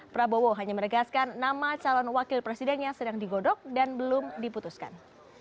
prabowo hanya meregaskan nama calon wakil presidennya sedang digodok dan belum diputuskan